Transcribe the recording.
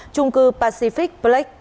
trung cư pacific black